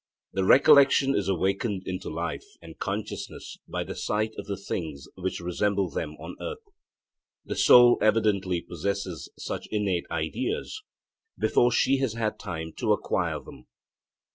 The recollection is awakened into life and consciousness by the sight of the things which resemble them on earth. The soul evidently possesses such innate ideas before she has had time to acquire them.